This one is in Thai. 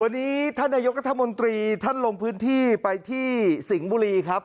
วันนี้ท่านนายกรัฐมนตรีท่านลงพื้นที่ไปที่สิงห์บุรีครับ